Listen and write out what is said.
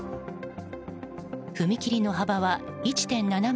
踏切の幅は１．７ｍ。